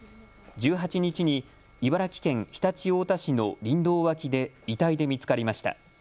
１８日に茨城県常陸太田市の林道脇で遺体で見つかりました。